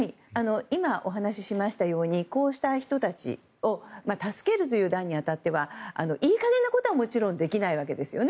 今お話ししましたようにこうした人たちを助けるという段に当たってはいい加減なことはもちろんできないわけですよね。